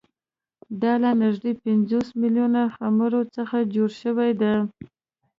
دا له نږدې پنځوس میلیونه خُمرو څخه جوړه شوې ده